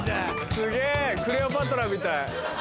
すげぇクレオパトラみたい。